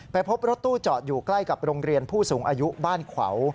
พบรถตู้จอดอยู่ใกล้กับโรงเรียนผู้สูงอายุบ้านขวาว